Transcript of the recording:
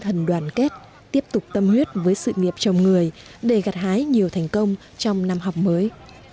thần đoàn kết tiếp tục tâm huyết với sự nghiệp chồng người để gặt hái nhiều thành công trong năm học mới